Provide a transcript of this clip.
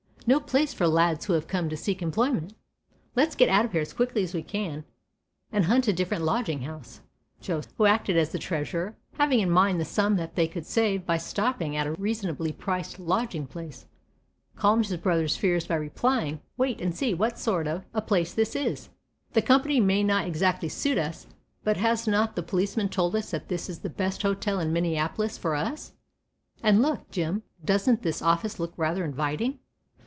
No place for lads who have come to seek employment. Let's get out of here as quickly as we can and hunt a different lodging house." Joe, who acted as the treasurer, having in mind the sum that they could save by stopping at a reasonably priced lodging place, calmed his brother's fears by replying: "Wait and see what sort of a place this is. The company may not exactly suit us, but has not the policeman told us that this is the best hotel in Minneapolis for us, and look, Jim, doesn't this office look rather inviting?"